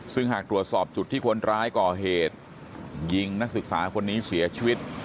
ซึ่งหากตรวจสอบจุดที่คนร้ายก่อเหตุยิงนักศึกษาคนนี้เสียชีวิต